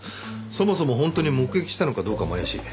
そもそも本当に目撃したのかどうかも怪しい。